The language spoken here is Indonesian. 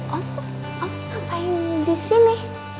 om om ngapain di sini